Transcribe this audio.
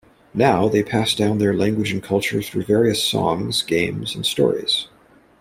Now, they pass down their language and culture through various songs, games, and stories.